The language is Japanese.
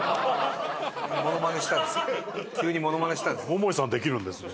桃井さんできるんですね。